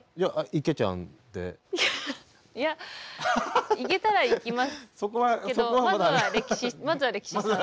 いやいけたらいきますけどまずはレキシさん。